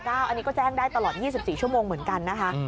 อันนี้ก็แจ้งได้ตลอด๒๔ชั่วโมงเหมือนกันนะคะ